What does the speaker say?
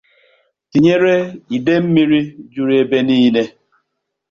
tinyere ide mmiri juru ebe nile